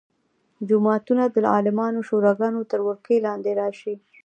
جوماتونه د عالمانو شوراګانو تر ولکې لاندې راشي.